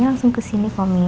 mami langsung kesini pomi